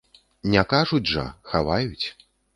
Не кажуць жа, хаваюць.